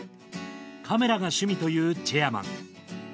カメラが趣味というチェアマン